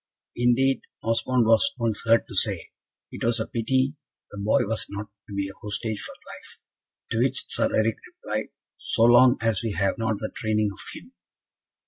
Indeed, Osmond was once heard to say, it was a pity the boy was not to be a hostage for life; to which Sir Eric replied, "So long as we have not the training of him."